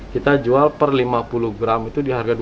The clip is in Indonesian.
kita jual per lima puluh gram itu di harga